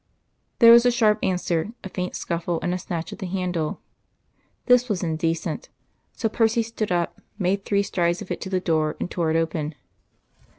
There was a sharp answer, a faint scuffle, and a snatch at the handle. This was indecent; so Percy stood up, made three strides of it to the door, and tore it open.